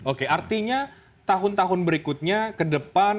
oke artinya tahun tahun berikutnya kedepan